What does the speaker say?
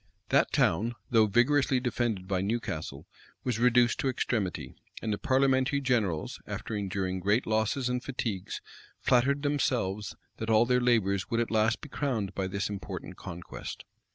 That town, though vigorously defended by Newcastle, was reduced to extremity; and the parliamentary generals, after enduring great losses and fatigues, flattered themselves that all their labors would at last be crowned by this important conquest.